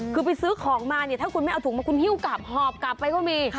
คือไปซื้อของมาเนี่ยถ้าคุณไม่เอาถุงมาคุณหิ้วกลับหอบกลับไปก็มี